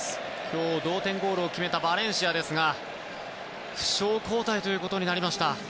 今日、同点ゴールを決めたバレンシアですが負傷交代となりました。